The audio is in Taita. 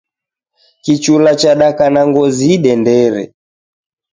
Kichula chadaka na ngozi idendere